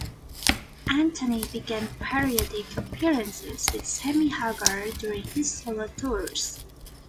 Anthony began periodic appearances with Sammy Hagar during his solo tours.